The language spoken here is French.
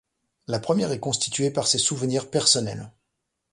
La première est constituée par ses souvenirs personnels.